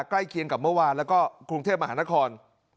ใกล้เคียงกับเมื่อวานแล้วก็กรุงเทพมหานคร